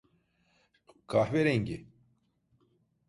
Kahverengi.